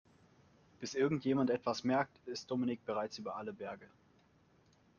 Bis irgendjemand etwas merkt, ist Dominik bereits über alle Berge.